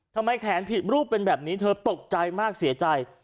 แขนผิดรูปเป็นแบบนี้เธอตกใจมากเสียใจ